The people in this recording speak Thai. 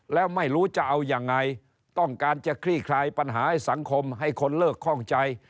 แล้วไม่รู้จะเอายังไงต้องการจะคลี่คลายปัญหาให้สังคมให้คนเลิกคล่องใจ